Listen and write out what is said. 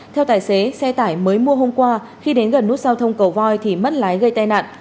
theo tài xế xe tải mới mua hôm qua khi đến gần nút giao thông cầu voi thì mất lái gây tai nạn